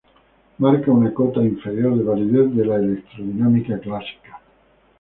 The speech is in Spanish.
Marca una cota inferior de validez de la electrodinámica clásica.